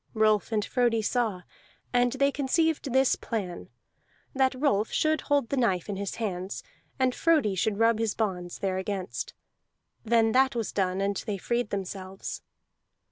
Rolf and Frodi saw; and they conceived this plan, that Rolf should hold the knife in his hands, and Frodi should rub his bonds thereagainst. Then that was done, and they freed themselves.